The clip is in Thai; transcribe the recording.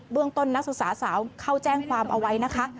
เรื่องต้นนักศึกษาสาวเข้าแจ้งความเอาไว้นะคะ